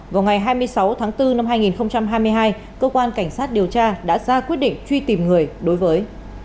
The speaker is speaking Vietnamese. vào ngày hai mươi sáu tháng bốn năm hai nghìn hai mươi hai cơ quan cảnh sát điều tra đã ra quyết định truy tìm người đối với